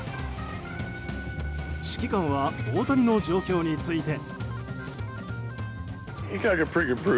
指揮官は大谷の状況について。